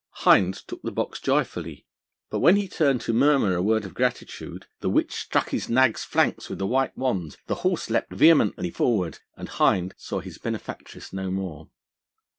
Hind took the box joyfully; but when he turned to murmur a word of gratitude, the witch struck his nag's flanks with a white wand, the horse leapt vehemently forward, and Hind saw his benefactress no more.